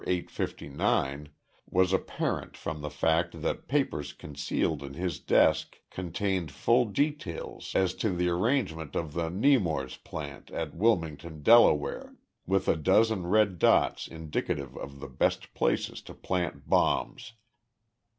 859" was apparent from the fact that papers concealed in his desk contained full details as to the arrangement of the Nemours plant at Wilmington, Delaware, with a dozen red dots indicative of the best places to plant bombs.